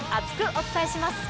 お伝えします。